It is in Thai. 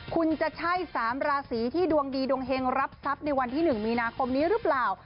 คุณจะใช้๓ราสีที่ดวงดีในวันที่๑มีนนี้หรือเปล่า